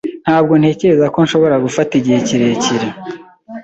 Ntabwo ntekereza ko nshobora gufata igihe kirekire.